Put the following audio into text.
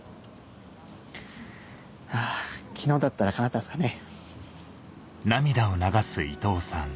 あぁ昨日だったら叶ったんですかね。